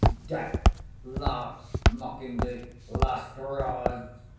] (_Death laughs mockingly; Lust roars.